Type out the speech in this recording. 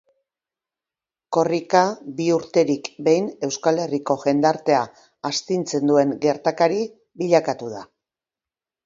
Korrika bi urterik behin Euskal Herriko jendartea astintzen duen gertakari bilakatu da.